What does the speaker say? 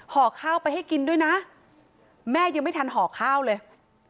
ห่อข้าวไปให้กินด้วยนะแม่ยังไม่ทันห่อข้าวเลย